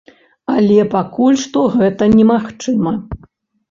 Але пакуль што гэта немагчыма.